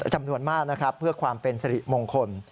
จำนวนมากเพื่อความเป็นสริมงคล